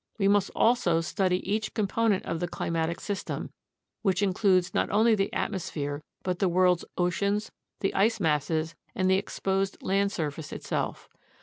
We must also study each com ponent of the climatic system, which includes not only the atmosphere but the world's oceans, the ice masses, and the exposed land surface itself.